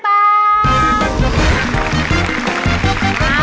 มาเลยค่ะ